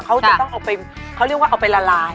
เขาจะต้องเอาไปเขาเรียกว่าเอาไปละลาย